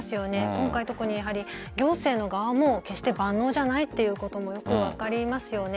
今回、特に行政の側も決して万能じゃないということもよく分かりますよね。